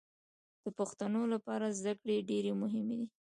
د پښتنو لپاره زدکړې ډېرې مهمې دي